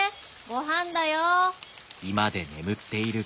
ごはんだよ。